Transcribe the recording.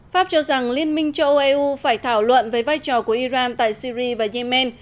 pháp cho rằng liên minh châu eu phải thảo luận với vai trò của iran tại syri và yemen